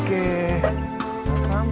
ketujuh jft sendir putus